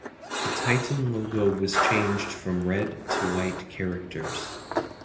The Titan logo was changed from red to white characters.